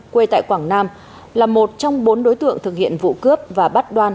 quê tại quảng nam là một trong bốn đối tượng thực hiện vụ cướp và bắt đoan